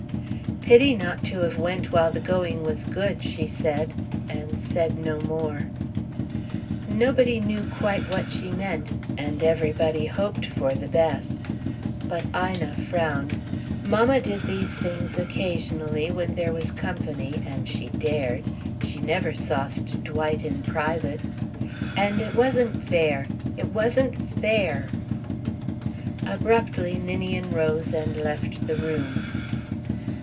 "Pity not to have went while the going was good," she said, and said no more. Nobody knew quite what she meant, and everybody hoped for the best. But Ina frowned. Mamma did these things occasionally when there was company, and she dared. She never sauced Dwight in private. And it wasn't fair, it wasn't fair Abruptly Ninian rose and left the room.